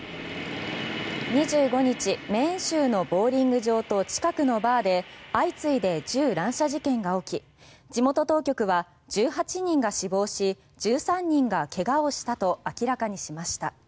２５日メーン州のボウリング場と近くのバーで相次いで銃乱射事件が起き地元当局は１８人が死亡し１３人が怪我をしたと明らかにしました。